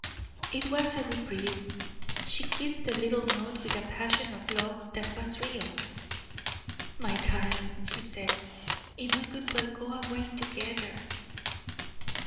It was a reprieve. She kissed the little note with a passion of love that was real. "My darling," she said, "if we could but go away together."